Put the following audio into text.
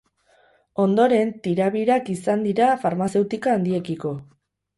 Ondoren tirabirak izan dira farmazeutika handiekiko.